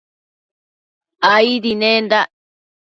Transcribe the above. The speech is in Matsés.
Aidi nendac